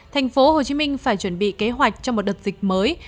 tp hcm phải chuẩn bị kế hoạch cho một đợt dịch mới